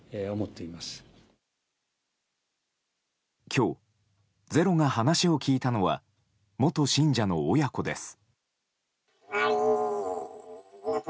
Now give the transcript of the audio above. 今日「ｚｅｒｏ」が話を聞いたのは元信者の親子です。